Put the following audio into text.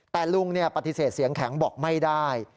แต่ลุงปฏิเสธเสียงแข็งบอกไม่ได้